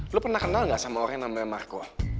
lo pernah kenal gak sama orang namanya marco